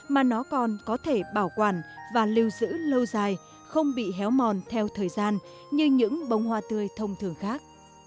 mà nó còn có thể bảo quản và lưu giữ lâu dài không bị héo mòn theo thời gian như những bông hoa tươi thông thường khác